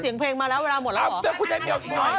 เสียงเพลงมาแล้วเวลาหมดแล้วเหรอ